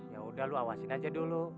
yaudah lo awasin aja dulu